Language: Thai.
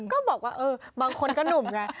ก็บอกว่าเออบางคนก็หนุ่มไง